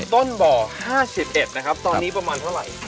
ต้นบ่อห้าสิบเอ็ดนะครับตอนนี้ประมาณเท่าไร